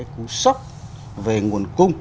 cú sốc về nguồn cung